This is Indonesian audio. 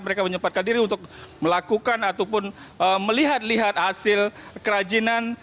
mereka menyempatkan diri untuk melakukan ataupun melihat lihat hasil kerajinan